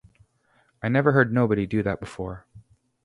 I never heard nobody do that before.